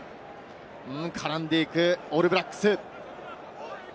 絡んでいくオールブラックス。